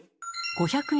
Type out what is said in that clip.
５００円